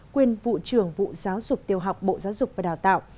quyền vụ trưởng vụ giáo dục tiêu học bộ giáo dục và đào tạo